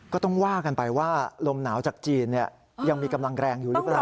ก็ต้องว่ากันไปว่าลมหนาวจากจีนยังมีกำลังแรงอยู่หรือเปล่า